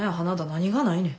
何がないねん？